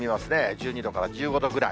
１２度から１５度くらい。